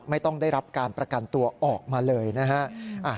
ไม่ต้องได้รับการประกันตัวออกมาเลยนะฮะ